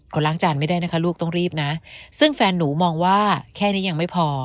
ก็ล้างจานไม่ได้นะคะลูกต้องรีบนะซึ่งแฟนหนูมองว่าแค่นี้ยังไม่พอ